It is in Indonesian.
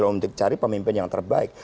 untuk cari pemimpin yang terbaik